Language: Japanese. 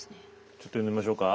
ちょっと呼んでみましょうか。